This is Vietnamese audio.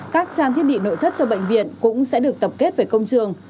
các trang thiết bị nội thất cho bệnh viện cũng sẽ được tập kết về công trường